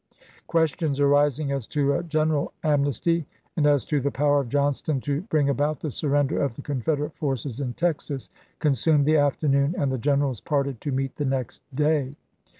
Questions arising as to a gen eral amnesty and as to the power of Johnston to bring about the surrender of the Confederate forces in Texas consumed the afternoon and the generals parted to meet the next day.